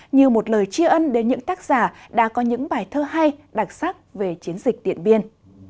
như một lời chia ân đến những tác giả đã có những bài thơ hay đặc sắc về chiến dịch điện biên